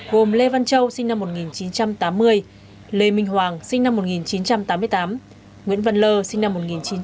gồm lê văn châu sinh năm một nghìn chín trăm tám mươi lê minh hoàng sinh năm một nghìn chín trăm tám mươi tám nguyễn văn lơ sinh năm một nghìn chín trăm tám mươi